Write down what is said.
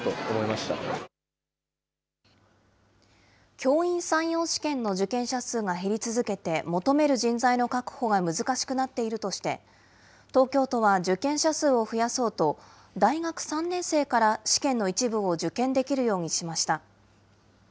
教員採用試験の受験者数が減り続けて、求める人材の確保が難しくなっているとして、東京都は受験者数を増やそうと、大学３年生から試験の一部を受験できるようにしました。